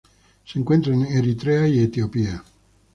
Se encuentra en Eritrea y Etiopía.